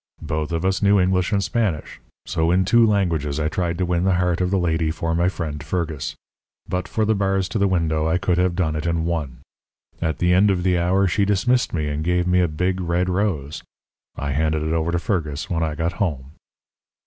Both of us knew English and Spanish; so in two languages I tried to win the heart of the lady for my friend Fergus. But for the bars to the window I could have done it in one. At the end of the hour she dismissed me and gave me a big, red rose. I handed it over to Fergus when I got home.